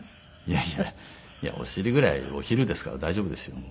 いやいやお尻ぐらいお昼ですから大丈夫ですよ。